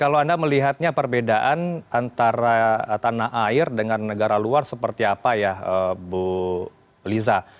kalau anda melihatnya perbedaan antara tanah air dengan negara luar seperti apa ya bu liza